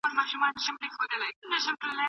د اسلام دښمنان په مسلمانانو کې څه شی نشرول غواړي؟